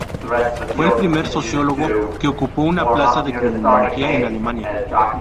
Fue el primer sociólogo que ocupó una plaza de criminología en Alemania.